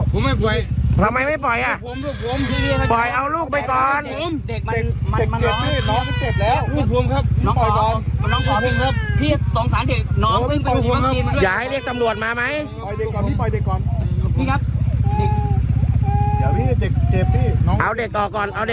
หนูนี่พี่ปล่อยก่อน